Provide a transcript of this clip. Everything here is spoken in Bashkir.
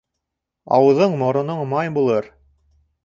Ауыҙың-мороноң май булыр.